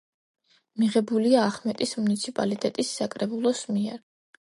მიღებულია ახმეტის მუნიციპალიტეტის საკრებულოს მიერ.